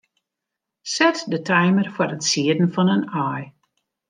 Set de timer foar it sieden fan in aai.